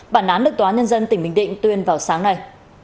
bản án được tòa nhân dân tỉnh bình định tuyên vào sáng nay